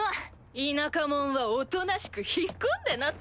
田舎者はおとなしく引っ込んでなって。